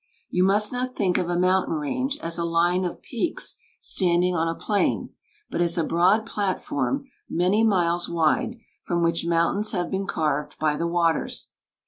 "You must not think of a mountain range as a line of peaks standing on a plain, but as a broad platform many miles wide, from which mountains have been carved by the waters.